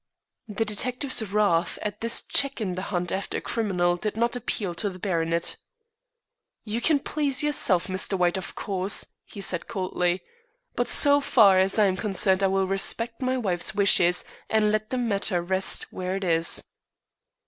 The detective's wrath at this check in the hunt after a criminal did not appeal to the baronet. "You can please yourself, Mr. White, of course," he said coldly; "but so far as I am concerned, I will respect my wife's wishes, and let the matter rest where it is."